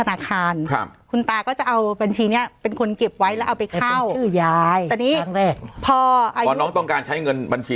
ไว้แล้วเอาไปเข้าเป็นชื่อยายตอนนี้ครั้งแรกพอน้องต้องการใช้เงินบัญชี